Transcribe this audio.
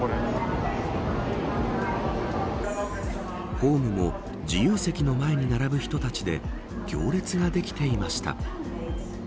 ホームも自由席の前に並ぶ人たちで行列ができていました。